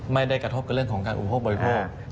ไม่ได้กระทบกับเรื่องของการอุปโภคบริโภค